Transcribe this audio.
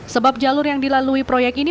sebab jalur yang dilalui proyek ini